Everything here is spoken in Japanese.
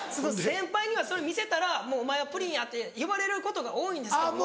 先輩にはそれ見せたら「もうお前はプリンや」って呼ばれることが多いんですけども。